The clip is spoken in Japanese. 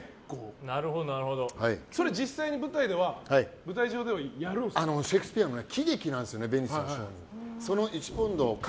それ、実際に舞台上ではやるんですか。